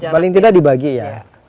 paling tidak dibagi ya